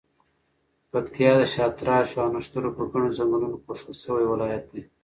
پکتیا د شاتراشو او نښترو په ګڼو ځنګلونو پوښل شوی ولایت دی.